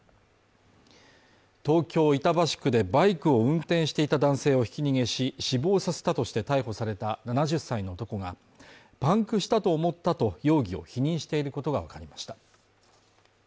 東京板橋区でバイクを運転していた男性をひき逃げし死亡させたとして逮捕された７０歳の男がパンクしたと思ったと容疑を否認していることがわかりました。